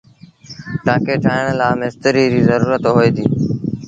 ٽآنڪي ٺآهڻ لآ مستريٚ ريٚ زرورت هوئي ديٚ